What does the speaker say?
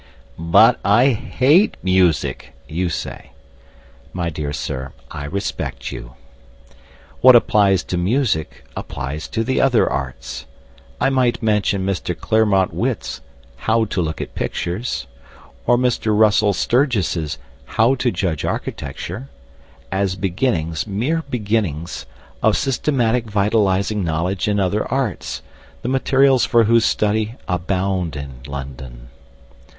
"But I hate music!" you say. My dear sir, I respect you. What applies to music applies to the other arts. I might mention Mr. Clermont Witt's "How to Look at Pictures," or Mr. Russell Sturgis's "How to Judge Architecture," as beginnings (merely beginnings) of systematic vitalising knowledge in other arts, the materials for whose study abound in London.